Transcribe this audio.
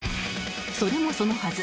それもそのはず